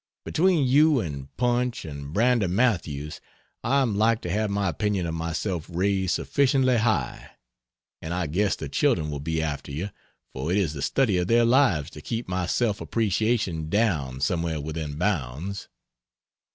Between you and Punch and Brander Matthews, I am like to have my opinion of myself raised sufficiently high; and I guess the children will be after you, for it is the study of their lives to keep my self appreciation down somewhere within bounds.